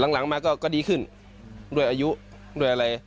หลังมาก็ดีขึ้นด้วยอายุด้วยอะไร